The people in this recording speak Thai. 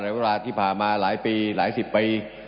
เวลาที่ผ่านมาหลายปีหลายสิบปี